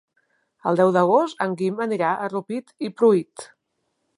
El deu d'agost en Guim anirà a Rupit i Pruit.